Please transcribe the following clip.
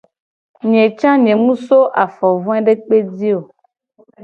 Nye ca nye mu so afo voedekpe ji o.